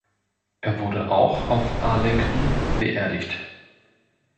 Er wurde auch auf Arlington beerdigt.